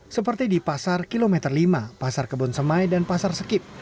seperti di pasar kilometer lima pasar kebun semai dan pasar sekip